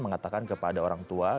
mengatakan kepada orang tua